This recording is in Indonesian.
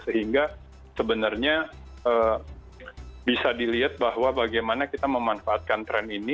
sehingga sebenarnya bisa dilihat bahwa bagaimana kita memanfaatkan tren ini